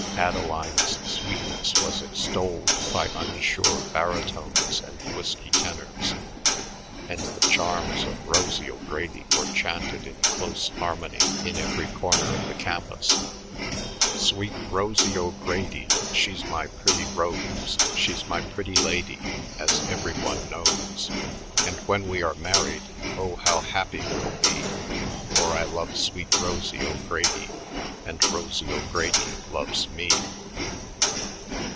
Adeline's sweetness was extolled by unsure barytones and "whisky" tenors; and the charms of Rosie O'Grady were chanted in "close harmony" in every corner of the campus: "Sweet Rosie O'Grady, She's my pretty rose; She's my pretty lady, As every one knows. And when we are married, Oh, how happy we'll be, For I love sweet Rosie O'Grady And Rosie O'Grady loves me."